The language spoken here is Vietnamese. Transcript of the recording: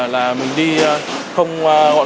là mình đi không gọn gàng